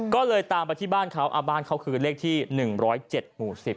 ก็เลยตามไปที่บ้านเขาบ้านเขาคือเลขที่๑๐๗หมู่๑๐